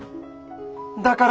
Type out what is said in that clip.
だから。